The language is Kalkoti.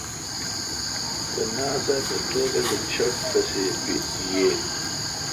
تے ناساپ اے°توبک اے چھٹ تسے°ییل۔